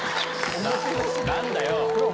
何だよ